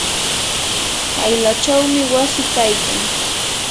kaylachawmi wasi kaykan.